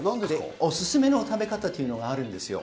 おすすめの食べ方というのがあるんですよ。